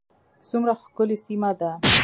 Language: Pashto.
څومره ښکلې سیمه ده